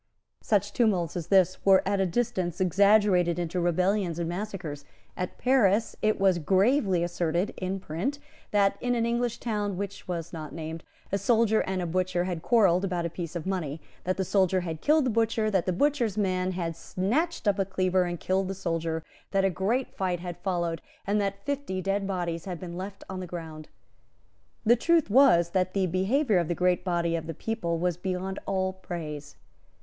Such tumults as this were at a distance exaggerated into rebellions and massacres. At Paris it was gravely asserted in print that, in an English town which was not named, a soldier and a butcher had quarrelled about a piece of money, that the soldier had killed the butcher, that the butcher's man had snatched up a cleaver and killed the soldier, that a great fight had followed, and that fifty dead bodies had been left on the ground. The truth was, that the behaviour of the great body of the people was beyond all praise.